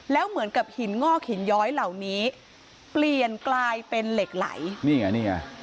แล้วเหมือนกับหินงอกหินย้อยเหล่านี้เปลี่ยนกลายเป็นเหล็กไหลนี่ไงนี่ไง